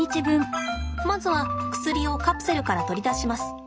まずは薬をカプセルから取り出します。